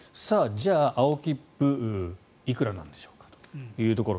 じゃあ、青切符いくらなんでしょうかというところ。